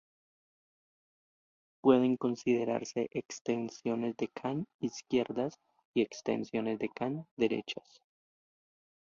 Pueden considerarse extensiones de Kan "izquierdas" y extensiones de Kan "derechas".